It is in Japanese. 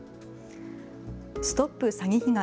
ＳＴＯＰ詐欺被害！